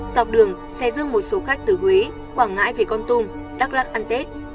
dọc đường xe dương một số khách từ huế quảng ngãi về con tum đắk lắc ăn tết